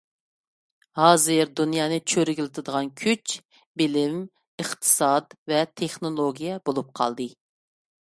ھازىر دۇنيانى چۆرگۈلىتىدىغان كۈچ — بىلىم، ئىقتىساد ۋە تېخنولوگىيە بولۇپ قالدى.